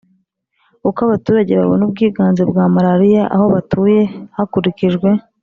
Uko abaturage babona ubwiganze bwa malariya aho batuye hakurikijwe